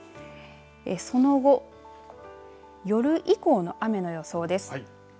その後、夜以降の雨の予想です。